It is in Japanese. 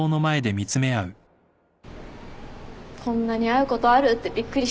こんなに会うことある？ってびっくりした。